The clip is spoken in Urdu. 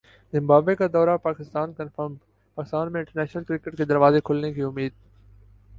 زمبابوے کا دورہ پاکستان کنفرم پاکستان میں انٹرنیشنل کرکٹ کے دروازے کھلنے کی امید